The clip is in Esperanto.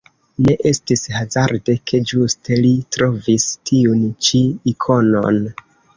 Ne estis hazarde, ke ĝuste li trovis tiun ĉi ikonon.